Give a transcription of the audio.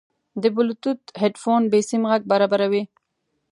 د بلوتوث هیډفون بېسیم غږ برابروي.